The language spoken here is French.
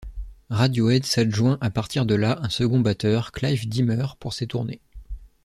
Radiohead s’adjoint à partir de là un second batteur, Clive Deamer pour ses tournées.